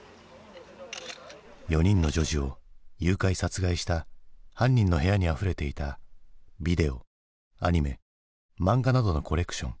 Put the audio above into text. ４人の女児を誘拐・殺害した犯人の部屋にあふれていたビデオアニメ漫画などのコレクション。